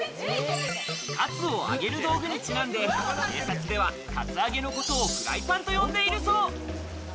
カツを揚げる道具にちなんで、警察ではカツアゲのことをフライパンと呼んでいるそう。